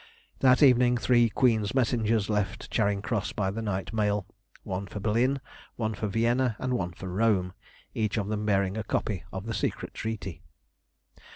That evening three Queen's messengers left Charing Cross by the night mail, one for Berlin, one for Vienna, and one for Rome, each of them bearing a copy of the secret treaty.